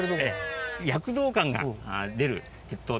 躍動感が出る鉄塔。